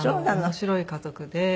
面白い家族で。